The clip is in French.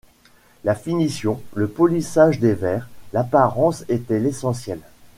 La finition, le polissage des vers, l'apparence étaient l'essentiel.